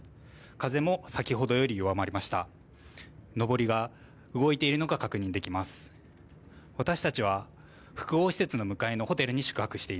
風も先ほどより弱まりました。